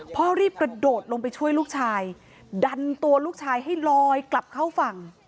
พ่อรีบกระโดดลงไปช่วยลูกชายดันตัวลูกชายให้ลอยกลับเข้าฝั่ง